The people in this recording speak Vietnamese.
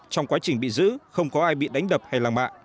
trong quá trình bị giữ không có ai bị đánh đập hay làng mạ